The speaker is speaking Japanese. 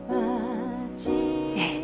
ええ。